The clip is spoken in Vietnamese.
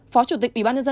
phó chủ tịch ubnd